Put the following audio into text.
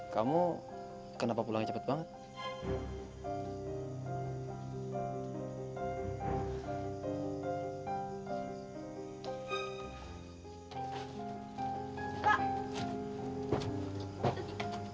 kamu kenapa pulangnya cepat banget